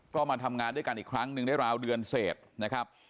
ก็มาทำงานด้วยกันอีกครั้งหนึ่งได้ราวเดือนเสร็จนะครับ